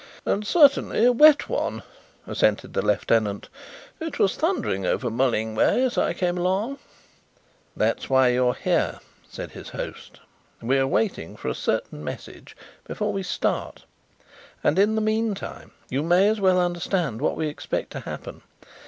"And certainly a wet one," assented the lieutenant. "It was thundering over Mulling way as I came along." "That is why you are here," said his host. "We are waiting for a certain message before we start, and in the meantime you may as well understand what we expect to happen.